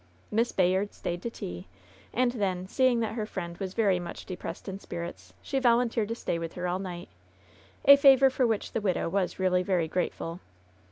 Miss Bayard stayed to tea. And then, seeing that her friend was very much depressed in spirits, die volun teered to stay with her all night; a favor for which the widow was really very grateful.